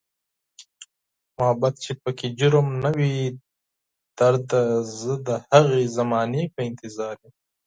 محبت چې پکې جرم نه وي درده، زه د هغې زمانې په انتظاریم